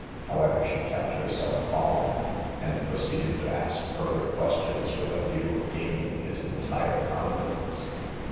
However, she kept herself calm, and proceeded to ask fur ther questions with a view to gaining his entire confidence.